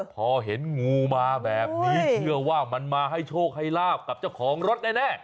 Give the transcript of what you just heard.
พอเห็นงูมาแบบนี้เชื่อว่ามันมาให้โชคให้ลาบกับเจ้าของรถแน่